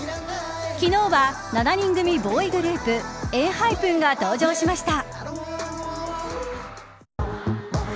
昨日は７人組ボーイグループＥＮＨＹＰＥＮが登場しました。